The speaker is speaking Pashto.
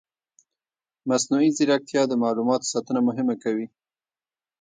مصنوعي ځیرکتیا د معلوماتو ساتنه مهمه کوي.